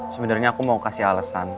sebenarnya aku mau kasih alesan